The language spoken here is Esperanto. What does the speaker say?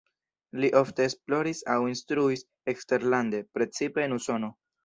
Li ofte esploris aŭ instruis eksterlande, precipe en Usono.